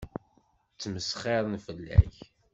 Ttmesxiṛen fell-ak.